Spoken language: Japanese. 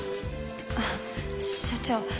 あっ社長